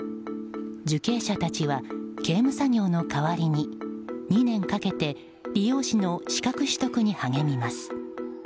受刑者たちは刑務作業の代わりに２年かけて理容師の資格取得に励みます。